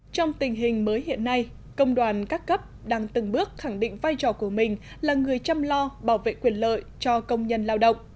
trong tình hình mới hiện nay công đoàn các cấp đang từng bước khẳng định vai trò của mình là người chăm lo bảo vệ quyền lợi cho công nhân lao động